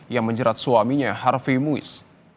yang menjerat suaminya harvey muiz